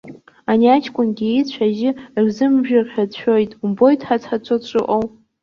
Ани аҷкәынгьы ицә ажьы рзымжәыр ҳәа дшәоит, умбои, дҳаҵҳаҵо дшыҟоу.